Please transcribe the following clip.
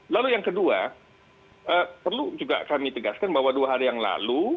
lalu yang kedua perlu juga kami tegaskan bahwa dua hari yang lalu